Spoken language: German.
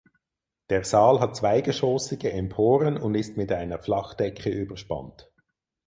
Der Saal hat zweigeschossige Emporen und ist mit einer Flachdecke überspannt.